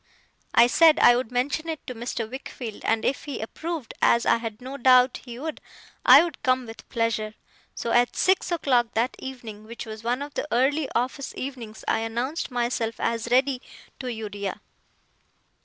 I said I would mention it to Mr. Wickfield, and if he approved, as I had no doubt he would, I would come with pleasure. So, at six o'clock that evening, which was one of the early office evenings, I announced myself as ready, to Uriah.